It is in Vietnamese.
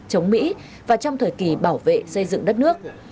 chống mỹ và trong thời kỳ bảo vệ xây dựng đất nước